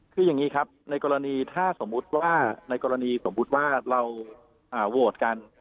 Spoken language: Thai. คืออย่างนี้ครับในกรณีถ้าสมมุติว่าในกรณีสมมุติว่าเราโหวตกัน